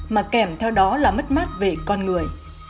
mà kèm theo đó là mất mát về con người